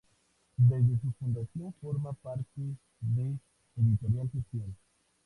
Desde su fundación forma parte de Editorial Gestión.